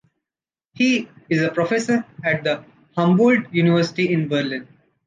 He is a professor at the Humboldt University in Berlin.